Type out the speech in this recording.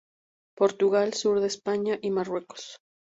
Portugal, sur de España y Marruecos.